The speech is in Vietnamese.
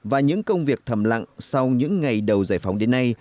và những công việc thầm lặng sau những ngày đầu giải phóng đến nay